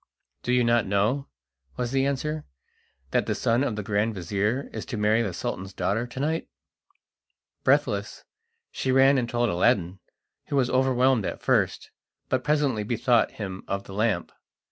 "Do you not know," was the answer, "that the son of the grand vizir is to marry the Sultan's daughter to night?" Breathless, she ran and told Aladdin, who was overwhelmed at first, but presently bethought him of the lamp.